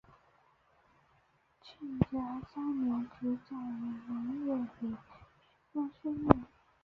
嘉庆三年主讲于明月里云峰书院。